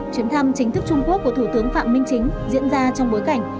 chuyến thăm chính thức trung quốc của thủ tướng phạm minh chính diễn ra trong bối cảnh